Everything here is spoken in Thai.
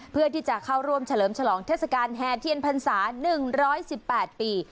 เพื่อที่จะเข้าร่วมเฉลิมฉลองเทศกาลแหที่เอ็นภัณฑ์ศาสตร์๑๑๘ปี